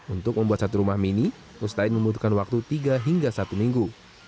untuk membuat satu rumah mini mustain membutuhkan waktu tiga hingga satu minggu